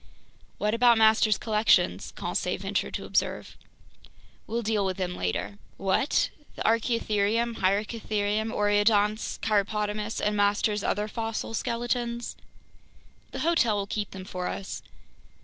"What about master's collections?" Conseil ventured to observe. "We'll deal with them later." "What! The archaeotherium, hyracotherium, oreodonts, cheiropotamus, and master's other fossil skeletons?" "The hotel will keep them for us."